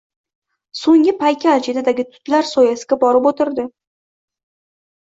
Soʻng paykal chetidagi tutlar soyasiga borib oʻtirdi.